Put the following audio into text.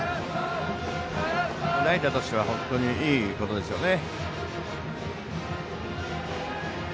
代打としてはいいことですよね。